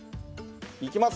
いきます。